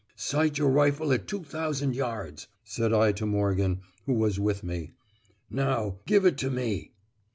"Sight your rifle at two thousand yards," said I to Morgan, who was with me. "Now, give it to me."